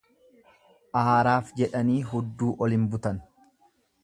Aaraaf jedhanii hudduu ol hin butan.